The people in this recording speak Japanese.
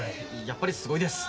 やっぱりすごいです。